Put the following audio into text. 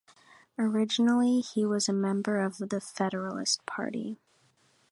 Originally, he was a member of the Federalist Party.